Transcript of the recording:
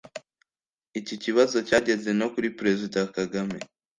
Iki kibazo cyageze no kuri Perezida Kagame